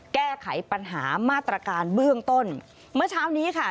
แก้ไขปัญหามาตรการเบื้องต้นเมื่อเช้านี้ค่ะ